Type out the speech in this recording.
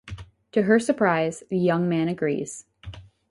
To her surprise, the young man agrees.